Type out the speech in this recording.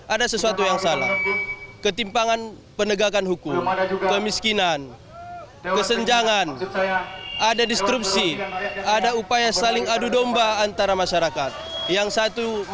ada sesuatu yang salah ketimpangan penegakan hukum kemiskinan kesenjangan ada disrupsi ada upaya saling adu domba antara masyarakat yang satu